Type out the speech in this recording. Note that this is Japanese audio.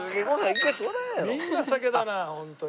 みんな酒だなホントに。